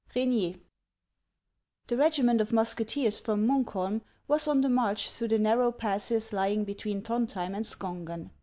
— REGXIER. THE regiment of musketeers from Munkholm was on the march through the narrow passes lying between Throndhjem and Skongen.